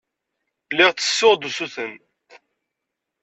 Lliɣ ttessuɣ-d usuten.